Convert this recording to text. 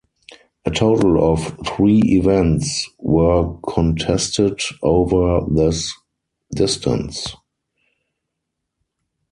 A total of three events were contested over this distance.